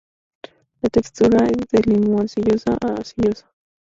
La textura es de limo-arcillosa a arcillosa.